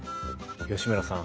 吉村さん